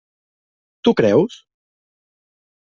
Tu creus?